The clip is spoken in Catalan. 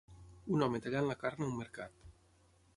un home tallant la carn a un mercat